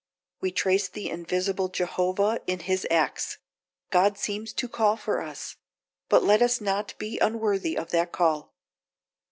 We trace the invisible Jehovah in his acts; God seems to call for us, but let us not be unworthy of that call.